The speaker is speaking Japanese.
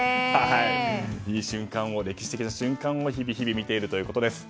歴史的な瞬間を日々日々見ているということです。